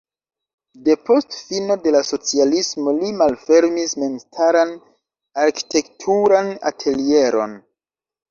Depost fino de la socialismo li malfermis memstaran arkitekturan atelieron.